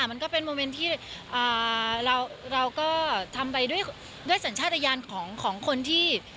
มันก็เป็นโมเมนต์ที่เราก็ทำไปด้วยสัญชาติยานของคนที่